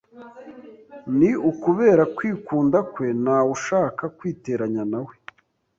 Ni ukubera kwikunda kwe ntawushaka kwiteranya nawe.